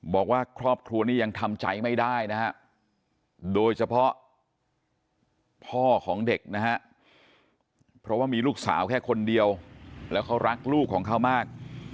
บอกว่าครอบครัวนี้ยังทำใจไม่ได้นะฮะโดยเฉพาะพ่อของเด็กนะฮะเพราะว่ามีลูกสาวแค่คนเดียวแล้วเขารักลูกของเขามาก